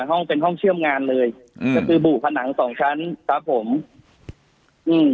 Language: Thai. ห้องเป็นห้องเชื่อมงานเลยอืมก็คือบู่ผนังสองชั้นครับผมอืม